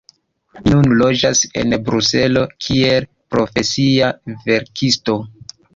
Li nun loĝas en Bruselo kiel profesia verkisto.